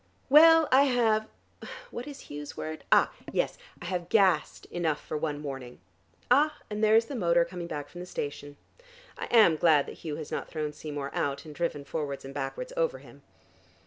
Well, I have what is Hugh's word? ah, yes, I have gassed enough for one morning. Ah, and there is the motor coming back from the station. I am glad that Hugh has not thrown Seymour out, and driven forwards and backwards over him."